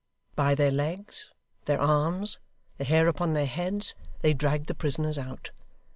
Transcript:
By their legs, their arms, the hair upon their heads, they dragged the prisoners out.